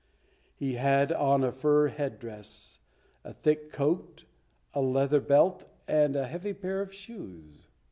He had on a fur head dress, a thick coat, a leather belt and a heavy pair of shoes.